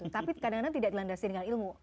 tapi kadang kadang tidak dilandasi dengan ilmu